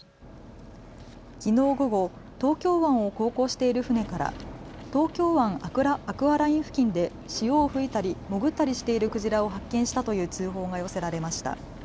きのう午後、東京湾を航行している船から東京湾アクアライン付近で潮を吹いたり潜ったりしているクジラを発見したという通報が寄せられました。